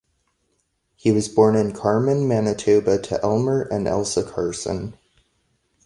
He was born in Carman, Manitoba to Elmer and Elsa Carson.